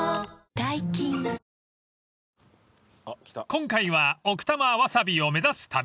［今回は奥多摩ワサビを目指す旅］